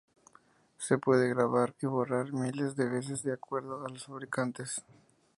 Se puede grabar y borrar miles de veces, de acuerdo a los fabricantes.